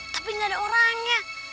tapi gak ada orangnya